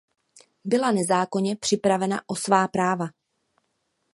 Byla nezákonně připravena o svá práva.